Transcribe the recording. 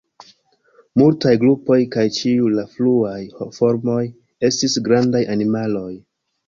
Multaj grupoj, kaj ĉiuj la fruaj formoj, estis grandaj animaloj.